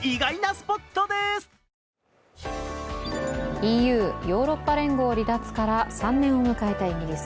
ＥＵ＝ヨーロッパ連合離脱から３年を迎えたイギリス。